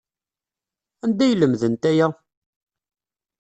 Anda ay lemdent aya?